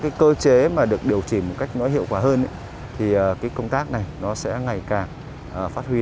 cái cơ chế mà được điều chỉnh một cách nó hiệu quả hơn thì cái công tác này nó sẽ ngày càng phát huy